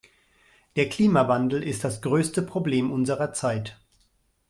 Der Klimawandel ist das größte Problem unserer Zeit.